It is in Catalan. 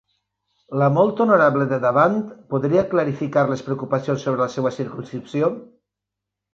La Molt Honorable de davant podria clarificar les preocupacions sobre la seva circumscripció?